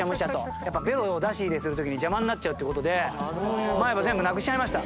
やっぱ、べろを出し入れするときに邪魔になっちゃうということで、前歯全部なくしちゃいました。